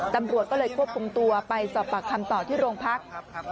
ตำรวจก็เลยควบคุมตัวไปสอบปากคำต่อที่โรงพัก